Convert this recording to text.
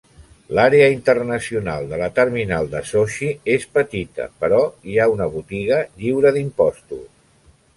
L'àrea internacional de la terminal de Sochi és petita, però hi ha una botiga lliure d'impostos.